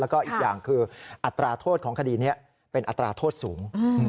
แล้วก็อีกอย่างคืออัตราโทษของคดีนี้เป็นอัตราโทษสูง